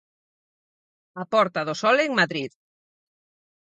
A Porta do Sol en Madrid.